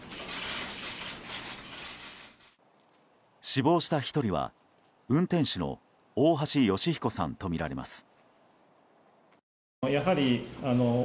死亡した１人は、運転手の大橋義彦さんとみられます。